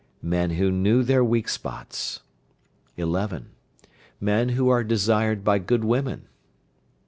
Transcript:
Men who knew their weak points. 11. Men who are desired by good women.